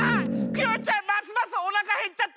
クヨちゃんますますおなかへっちゃった！